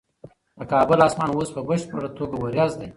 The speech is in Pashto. د کابل اسمان اوس په بشپړه توګه وریځ دی.